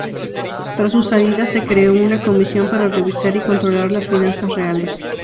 Tras su salida, se creó una comisión para revisar y controlar las finanzas reales.